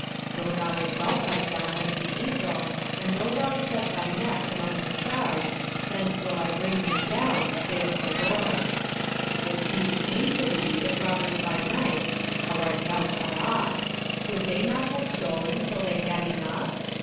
1:4 Though thou exalt thyself as the eagle, and though thou set thy nest among the stars, thence will I bring thee down, saith the LORD. 1:5 If thieves came to thee, if robbers by night, (how art thou cut off!) would they not have stolen till they had enough?